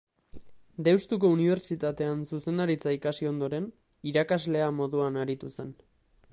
Deustuko Unibertsitatean zuzendaritza ikasi ondoren, irakaslea moduan aritu zen.